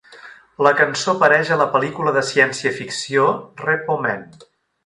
La cançó apareix a la pel·lícula de ciència-ficció Repo Men.